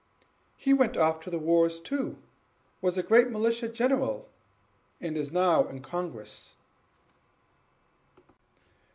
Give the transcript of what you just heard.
"He went off to the wars too, was a great militia general, and is now in Congress."